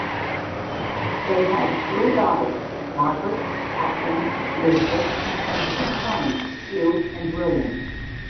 They had three daughters, Margaret, Catherine, Elizabeth, and two sons Hugh and William.